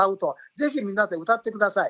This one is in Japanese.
ぜひみんなで歌って下さい。